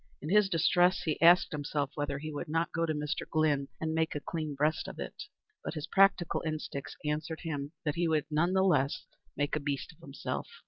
In his distress he asked himself whether he would not go to Mr. Glynn and make a clean breast of it; but his practical instincts answered him that he would none the less have made a beast of himself.